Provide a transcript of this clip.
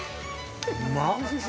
・うまっ！